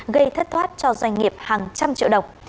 gây thất thoát cho doanh nghiệp hàng trăm triệu đồng